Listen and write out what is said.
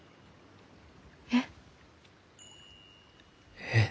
えっ？えっ？